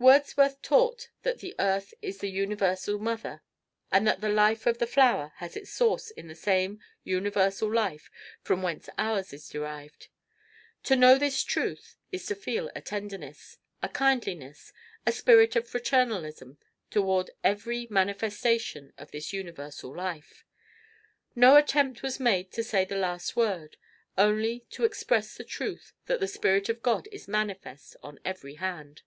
Wordsworth taught that the earth is the universal Mother and that the life of the flower has its source in the same universal life from whence ours is derived. To know this truth is to feel a tenderness, a kindliness, a spirit of fraternalism, toward every manifestation of this universal life. No attempt was made to say the last word, only a wish to express the truth that the spirit of God is manifest on every hand.